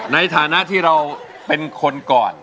ในฐานะที่เราเป็นคนก่อน